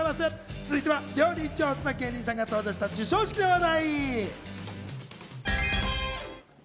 続いては料理上手な芸人さんが登場した授賞式の話題。